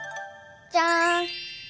じゃん！